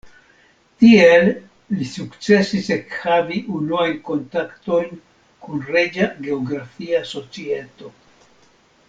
Tiel li sukcesis ekhavi unuajn kontaktojn kun Reĝa Geografia Societo.